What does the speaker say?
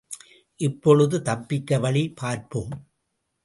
இப்பொழுது தப்பிக்க வழி பார்ப்போம்.